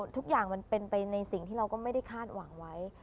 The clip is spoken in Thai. ทุกอย่างมันเป็นไปในสิ่งที่เราก็ไม่ได้คาดหวังไว้